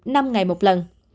năm ngày một lần